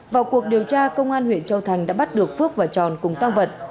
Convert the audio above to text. vào cuộc điều tra công an huyện châu thành đã bắt được phước và tròn cùng tăng vật